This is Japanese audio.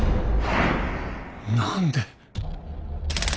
何で。